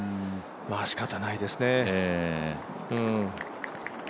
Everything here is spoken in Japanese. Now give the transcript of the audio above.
まあ、しかたないですね。